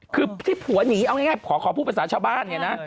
คือที่ผัวหนีเอาง่ายขอพูดภาษาชาวบ้านเนี่ยนะ